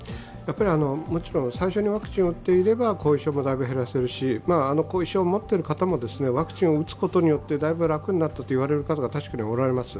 もちろん最初にワクチンを打っていれば後遺症もだいぶ減らせるし後遺症を持ってる方もワクチンを打つことによってだいぶ楽になったと言われる方は確かにおられます。